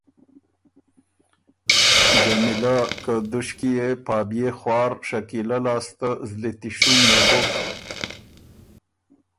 جمیلۀ که دُشکی يې پا بيې خوار شکیلۀ لاسته زلی تیشُونيې بُک۔